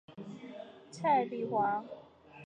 蔡璧煌。